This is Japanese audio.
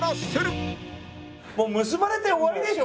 もう結ばれて終わりでしょ